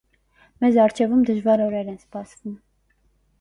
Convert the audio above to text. Մեզ առջևում դժվար օրեր են սպասվում։